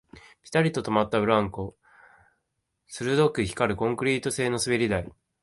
ピタリと止まったブランコ、鈍く光るコンクリート製の滑り台